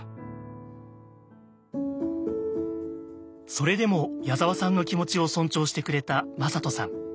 それでも矢沢さんの気持ちを尊重してくれた魔裟斗さん。